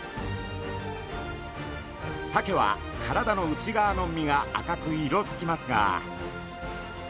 サケは体の内側の身が赤く色づきますが。